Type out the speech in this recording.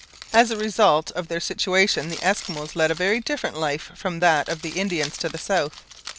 As a result of their situation the Eskimos led a very different life from that of the Indians to the south.